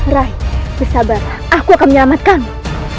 rai bersabarlah aku akan menyelamatkanmu